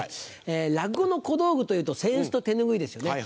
落語の小道具というと扇子と手拭いですよね。